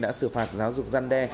đã xử phạt giáo dục gian đe